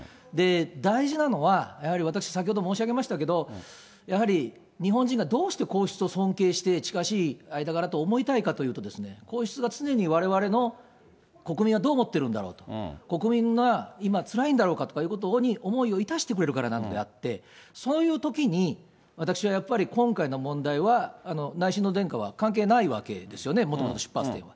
大事なのは、やはり私、先ほど申し上げましたけれども、やはり日本人がどうして皇室を尊敬して、近しい間柄と思いたいかというとですね、皇室が常にわれわれの、国民はどう思ってるんだろう、国民が今つらいんだろうかということに思いを致してくれるからなのであって、そういうときに、私はやっぱり今回の問題は、内親王殿下は関係ないわけですよね、もとの出発点が。